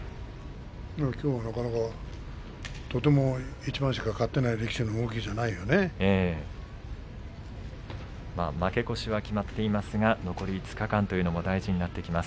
きょうはとても一番しか勝っていない負け越しは決まっていますが残り５日間も大事になってきます。